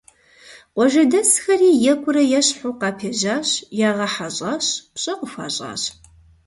Къуажэдэсхэри екӀурэ-ещхьу къапежьащ, ягъэхьэщӀащ, пщӀэ къыхуащӀащ.